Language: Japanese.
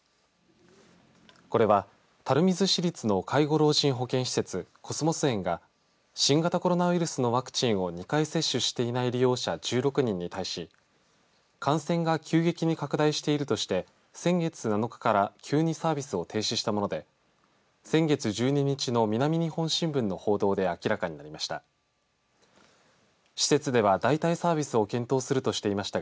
これは垂水市立の介護老人保健施設コスモス苑が新型コロナウイルスのワクチンを２回接種していない利用者１６人に対し感染が急激に拡大しているとして先月７日から急にサービスを停止したもので先月１２日の南日本新聞の報道で明らかになりました。